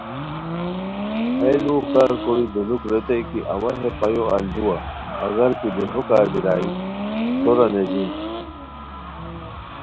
ہیہُ لوؤ کار کوری دولوک ریتائے کی اوا ہے پایو الدو و ا اگر کی دیہو کا بیرائے سورہ نیزیم